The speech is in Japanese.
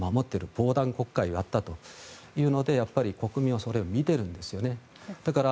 防弾国会をやったというので国民はそれを見ているんですね。